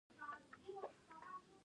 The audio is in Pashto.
راپور باید په صادقانه شکل وړاندې شي.